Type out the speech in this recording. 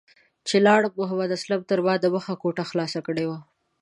چې لاړم محمد اسلام تر ما دمخه کوټه خلاصه کړې وه.